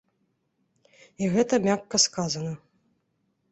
І гэта мякка сказана.